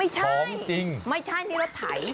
ของจริงไม่ใช่ไม่ใช่นี่รสไถ